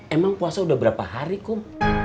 emang puasa udah berapa hari kum